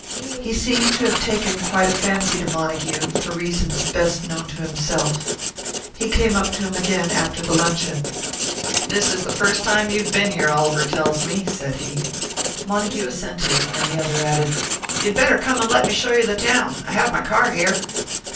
He seemed to have taken quite a fancy to Montague, for reasons best known to himself. He came up to him again, after the luncheon. "This is the first time you've been here, Oliver tells me," said he. Montague assented, and the other added: "You'd better come and let me show you the town. I have my car here."